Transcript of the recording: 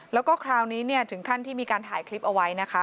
แล้วก็คราวนี้ถึงขั้นที่มีการถ่ายคลิปเอาไว้นะคะ